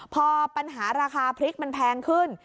พอปัญหาราคาพริกมันแพงขึ้น